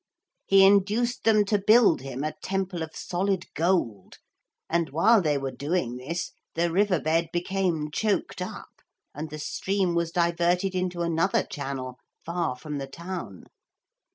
He induced them to build him a temple of solid gold, and while they were doing this the river bed became choked up and the stream was diverted into another channel far from the town.